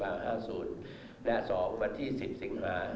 และ๒เมื่อวันที่๑๐สิงหา๒๕๕๓